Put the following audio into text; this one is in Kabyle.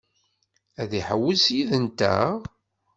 Ad iḥewwes yid-nteɣ?